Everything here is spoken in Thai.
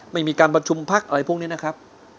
ไม่มีการประชุมพักอะไรพวกนี้นะครับ